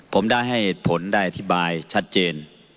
ผมได้ให้ผลได้อธิบายชัดเจน